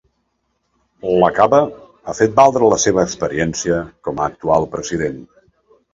Lacaba ha fet valdre la seva experiència com a actual president.